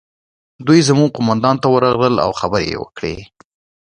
دوی زموږ قومندان ته ورغلل او خبرې یې وکړې